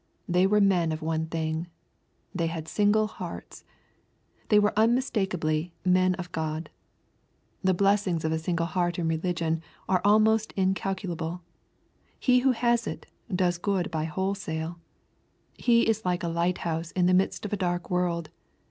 They were men of one thing. They had single hearts. They were unmistakeably " men of God.'' The blessings of a single heart in religion are almost incalculable. He who has it, does good by wholesale. He is like a light house in the midst of a dark world.